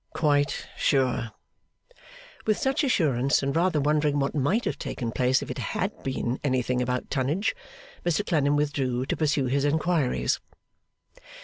'Quite sure.' With such assurance, and rather wondering what might have taken place if it had been anything about tonnage, Mr Clennam withdrew to pursue his inquiries.